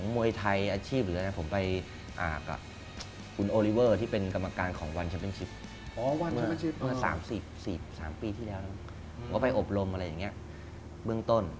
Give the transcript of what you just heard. เมื่อ๓ปีที่แล้วว่าไปอบรมอะไรอย่างนี้เบื้องต้น